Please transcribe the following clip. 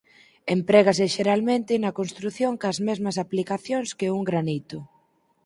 Emprégase xeralmente na construción cas mesmas aplicacións que un granito.